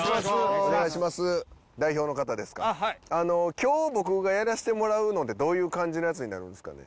今日僕がやらせてもらうのってどういう感じのやつになるんですかね？